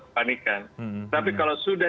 kepanikan tapi kalau sudah